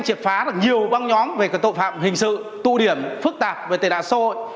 trấn áp được nhiều băng nhóm về các tội phạm hình sự tụ điểm phức tạp về tài nạn xã hội